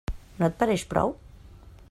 No et pareix prou?